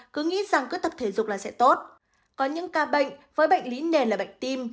cứ nghĩ rằng cứ tập thể dục là sẽ tốt có những ca bệnh với bệnh lý nền là bệnh tim